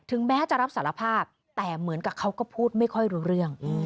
แม้จะรับสารภาพแต่เหมือนกับเขาก็พูดไม่ค่อยรู้เรื่อง